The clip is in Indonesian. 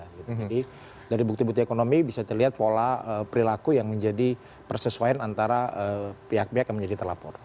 jadi dari bukti bukti ekonomi bisa dilihat pola perilaku yang menjadi persesuaian antara pihak pihak yang menjadi telapor